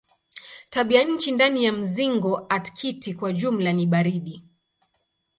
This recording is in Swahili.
Tabianchi ndani ya mzingo aktiki kwa jumla ni baridi.